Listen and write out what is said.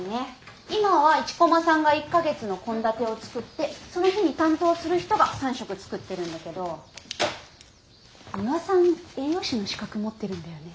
今は一駒さんが１か月の献立を作ってその日に担当する人が３食作ってるんだけどミワさん栄養士の資格持ってるんだよね？